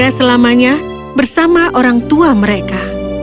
keluarga selamanya bersama orang tua mereka